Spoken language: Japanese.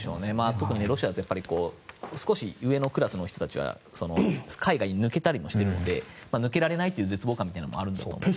特にロシアって少し上のクラスの人たちは海外に抜けたりもしているので抜けられないという絶望感もあるのかもしれないですね。